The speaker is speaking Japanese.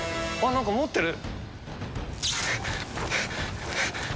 何か持ってる。